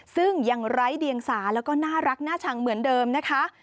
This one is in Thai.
ซึ่งยังไร้เดียงสาแล้วก็น่ารักน่าชังเหมือนเดิมนะคะ